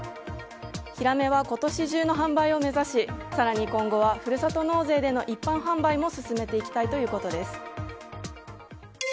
ヒラメは今年中の販売を目指し更に、今後ふるさと納税での一般販売も進めていきたいということです。